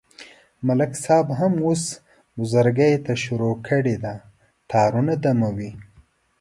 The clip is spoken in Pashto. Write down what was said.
ملک صاحب هم اوس بزرگی ته شروع کړې ده، تارونه دموي.